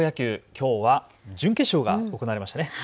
きょうは準決勝が行われましたね。